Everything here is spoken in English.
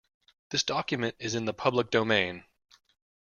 This document is in the public domain.